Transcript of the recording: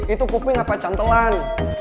itu kuping apa cantelan